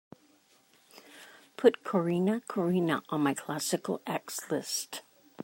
Put Corrina, Corrina onto my classical x list.